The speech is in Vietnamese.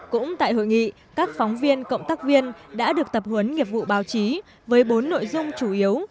cũng tại hội nghị các phóng viên cộng tác viên đã được tập huấn nghiệp vụ báo chí với bốn nội dung chủ yếu